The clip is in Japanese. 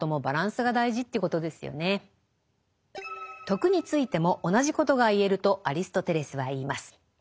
「徳」についても同じことが言えるとアリストテレスは言います。